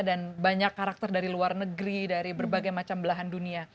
banyak karakter dari luar negeri dari berbagai macam belahan dunia